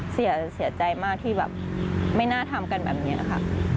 เสียใจมากที่แบบไม่น่าทำกันแบบนี้นะคะ